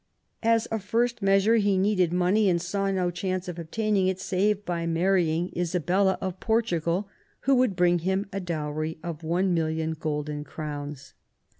As a first measure he needed money, and saw no chance of obtaining it save by marrying Isabella of Portugal, who would bring him a dowry of 1,000,000 golden crowns.